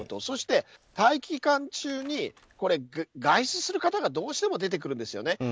そして待機期間中に外出する方がどうしても出てくるんですよね。